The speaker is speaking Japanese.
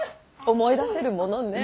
思い出せるものね。